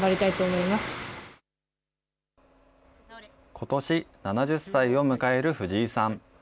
ことし７０歳を迎える藤井さん。